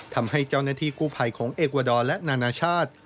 ทำให้เจ้าหน้าที่กู้ภัยของเอกวาดอร์และนานาชาติ